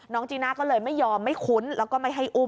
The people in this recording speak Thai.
จีน่าก็เลยไม่ยอมไม่คุ้นแล้วก็ไม่ให้อุ้ม